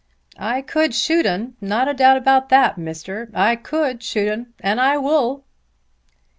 "I could shoot 'un; not a doubt about that, Mister. I could shoot 'un; and I wull."